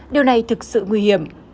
điều này thực sự nguy hiểm